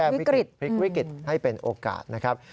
วิกฤตพลิกวิกฤตให้เป็นโอกาสนะครับ